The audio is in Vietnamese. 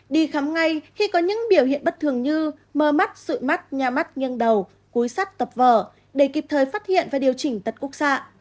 đi khám ngay khi có những biểu hiện bất thường như mơ mắt sụi mắt nha mắt nghiêng đầu cúi sắt tập vở để kịp thời phát hiện và điều chỉnh tật khúc xạ